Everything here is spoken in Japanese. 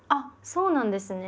そうなんですね。